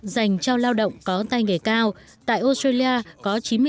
dành cho lao động có tay nghề cao